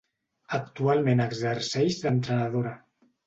Actualment exerceix d'entrenadora.